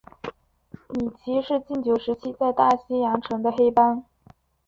米奇是禁酒时期在大西洋城的黑帮。